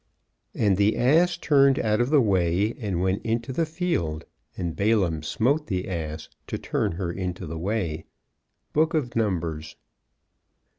And the ass turned out of the way, and went into the field; and Balaam smote the ass, to turn her into the way. _Book of Numbers.